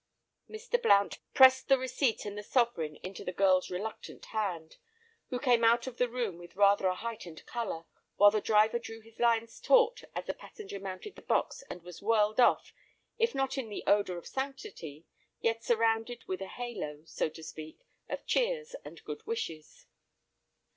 Mr. Blount pressed the receipt and the sovereign into the girl's reluctant hand, who came out of the room with rather a heightened colour, while the driver drew his lines taut as the passenger mounted the box and was whirled off, if not in the odour of sanctity, yet surrounded with a halo (so to speak) of cheers and good wishes.